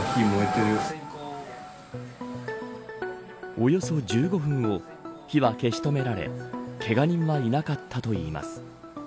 およそ１５分後火は消し止められけが人はいなかったといいます。